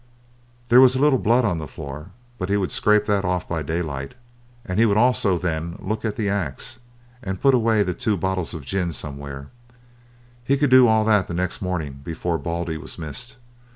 There was a little blood on the floor, but he would scrape that off by daylight, and he would then also look at the axe and put away the two bottles of gin somewhere; he could do all that next morning before Baldy was missed.